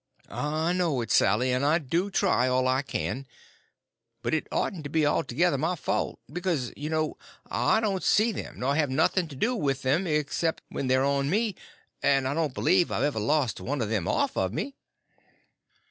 "I know it, Sally, and I do try all I can. But it oughtn't to be altogether my fault, because, you know, I don't see them nor have nothing to do with them except when they're on me; and I don't believe I've ever lost one of them off of me."